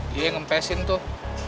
dia yang ngepesin tuh